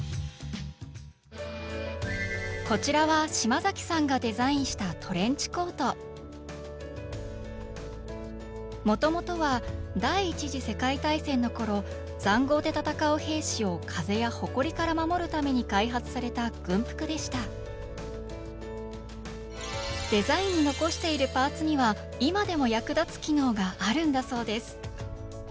こちらはもともとは第１次世界大戦のころざんごうで戦う兵士を風やほこりから守るために開発された軍服でしたデザインに残しているパーツには今でも役立つ機能があるんだそうです。